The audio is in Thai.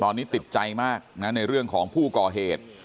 ตอนนี้ติดใจมากนะในเรื่องของผู้ก่อเหตุ